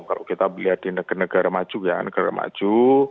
kalau kita melihat di negara negara maju ya negara maju